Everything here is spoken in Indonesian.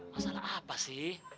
masalah apa sih